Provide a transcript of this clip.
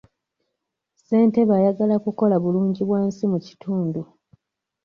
Ssentebe ayagala kukola bulungibwansi mu kitundu.